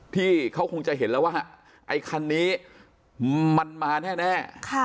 ที่เขาคงจะเห็นแล้วว่าไอ้คันนี้มันมาแน่